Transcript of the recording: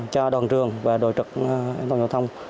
cho đoàn trường và đội trực an toàn giao thông